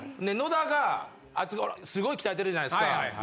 あいつすごい鍛えてるじゃないですか。